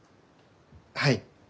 はい。